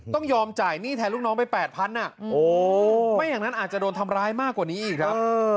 ต้องยอมจ่ายหนี้แทนลูกน้องไป๘๐๐บาทไม่อย่างนั้นอาจจะโดนทำร้ายมากกว่านี้อีกครับ